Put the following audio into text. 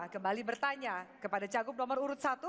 kembali bertanya kepada cagup nomor urut satu